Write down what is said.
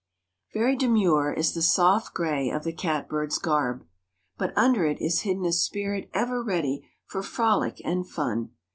Very demure is the soft gray of the catbird's garb, but under it is hidden a spirit ever ready for frolic and fun.